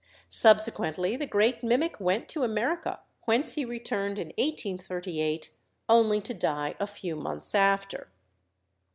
Subsequently the great mimic went to America, whence he returned in 1838, only to die a few months after.